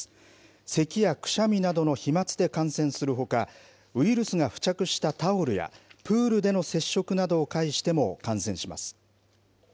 せきやくしゃみなどの飛まつで感染するほか、ウイルスが付着したタオルや、プールでの接触などを介しても感染します。